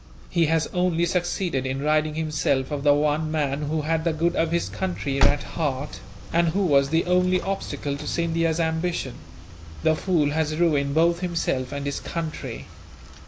He has only succeeded in ridding himself of the one man who had the good of his country at heart, and who was the only obstacle to Scindia's ambition. The fool has ruined both himself and his country.